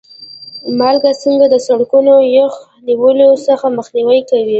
مالګه څنګه د سړکونو یخ نیولو څخه مخنیوی کوي؟